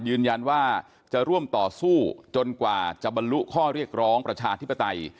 ยืนยันว่าจะร่วมต่อสู้จนกว่าจะบรรลุข้อเรียกร้องประชาธิปไตย